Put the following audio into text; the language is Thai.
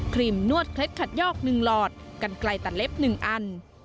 รีมนวดเคล็ดขัดยอก๑หลอดกันไกลตัดเล็บ๑อัน